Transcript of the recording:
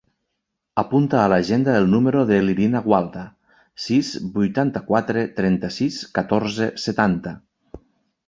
Apunta a l'agenda el número de l'Irina Gualda: sis, vuitanta-quatre, trenta-sis, catorze, setanta.